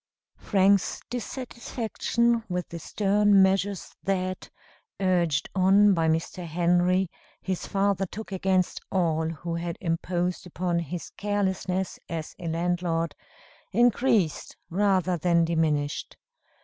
Frank's dissatisfaction with the stern measures that, urged on by Mr. Henry, his father took against all who had imposed upon his carelessness as a landlord, increased rather than diminished.